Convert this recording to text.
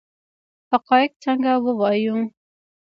حقایق څنګه ووایو؟